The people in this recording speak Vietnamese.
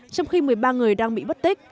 trong khi một mươi ba người đang bị mất tích